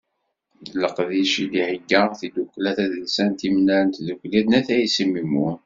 D leqdic i d-thegga tddukkla tadelsant Imnar n Tdukli n At Ɛissa Mimun